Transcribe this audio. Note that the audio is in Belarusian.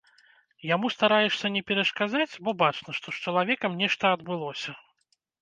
Яму стараешся не перашкаджаць, бо бачна, што з чалавекам нешта адбылося.